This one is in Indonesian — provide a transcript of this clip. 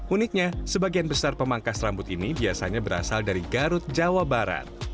uniknya sebagian besar pemangkas rambut ini biasanya berasal dari garut jawa barat